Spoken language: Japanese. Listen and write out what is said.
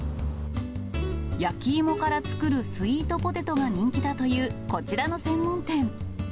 焼き芋から作るスイートポテトが人気だという、こちらの専門店。